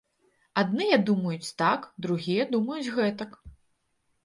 Адныя думаюць так, другія думаюць гэтак.